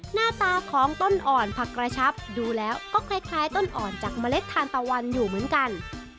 หน้าตาของต้นอ่อนผักกระชับดูแล้วก็คล้ายต้นอ่อนจากเมล็ดทานตะวันอยู่เหมือนกัน